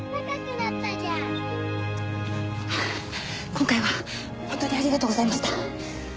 今回は本当にありがとうございました。